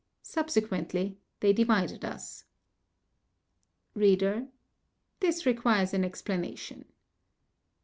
Subsequently they divided us. READER: This requires an explanation.